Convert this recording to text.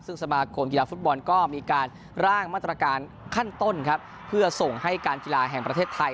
ซึ่งสมาคมกีฬาฟุตบอลก็มีการร่างมาตรการขั้นต้นครับเพื่อส่งให้การกีฬาแห่งประเทศไทย